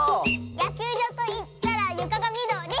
「やきゅうじょうといったらゆかがみどり！」